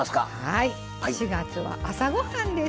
はい４月は「朝ごはん」です。